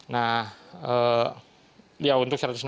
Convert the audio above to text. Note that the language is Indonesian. nah ya untuk satu ratus enam puluh